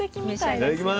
いただきます。